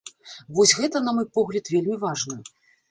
Вось гэта, на мой погляд, вельмі важна.